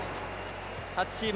８チーム。